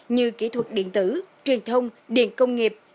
như kỹ thuật điện tử truyền thông điện công nghiệp